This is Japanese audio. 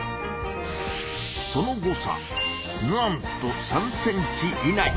その誤差なんと３ｃｍ以内。